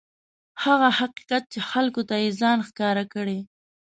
هغه حقیقت چې خلکو ته یې ځان ښکاره کړی.